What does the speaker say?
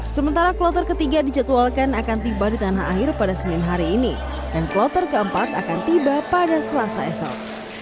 sementara kloter ketiga dijadwalkan akan tiba di tanah air pada senin hari ini dan kloter keempat akan tiba pada selasa esok